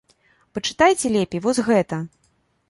Пачытайце лепей вось гэта.